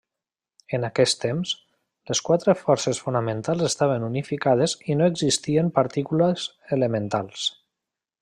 En aquest temps, les quatre forces fonamentals estaven unificades i no existien partícules elementals.